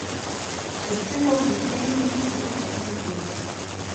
D tamuɣli kan ay tella tettmuqqul.